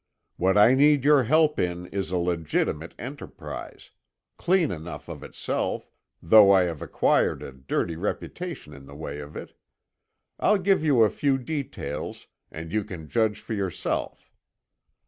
"What I need your help in is a legitimate enterprise; clean enough of itself—though I have acquired a dirty reputation in the way of it. I'll give you a few details, and you can judge for yourself.